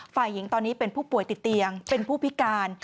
ฝ่ายหญิงตอนนี้เป็นผู้ป่วยติดเตียงเป็นผู้พิการ